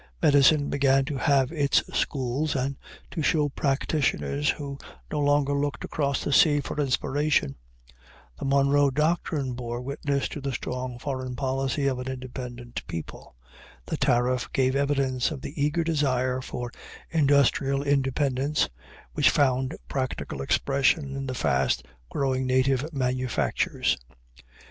Medicine began to have its schools, and to show practitioners who no longer looked across the sea for inspiration. The Monroe doctrine bore witness to the strong foreign policy of an independent people. The tariff gave evidence of the eager desire for industrial independence, which found practical expression in the fast growing native manufactures.